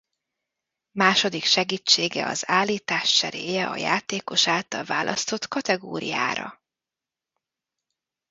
Második segítsége az állítás cseréje a játékos által választott kategóriára.